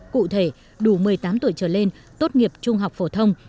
cụ thể đủ một mươi tám tuổi trở lên tốt nghiệp trung học phổ thông